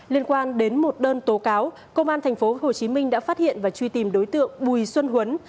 liên quan đến một đơn tố cáo công an tp hcm đã phát hiện và truy tìm đối tượng bùi xuân huấn